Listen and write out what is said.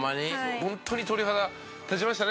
ホントに鳥肌立ちましたね